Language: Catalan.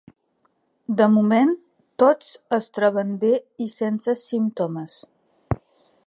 De moment, tots es troben bé i sense símptomes.